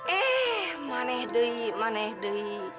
eh mana deh mana deh